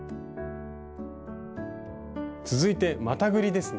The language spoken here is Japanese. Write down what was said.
続いてまたぐりですね。